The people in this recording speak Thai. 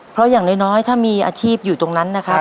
เพราะอย่างน้อยถ้ามีอาชีพอยู่ตรงนั้นนะครับ